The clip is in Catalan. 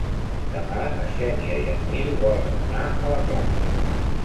Demà na Xènia i en Nil volen anar a la platja.